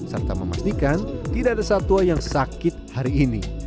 serta memastikan tidak ada satwa yang sakit hari ini